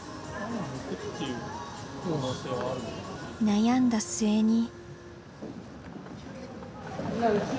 悩んだ末に。